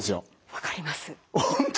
分かります。